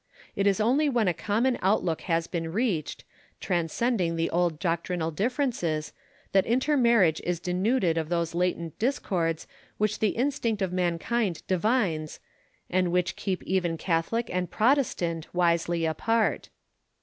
It is only when a common outlook has been reached, transcending the old doctrinal differences, that intermarriage is denuded of those latent discords which the instinct of mankind divines, and which keep even Catholic and Protestant wisely apart.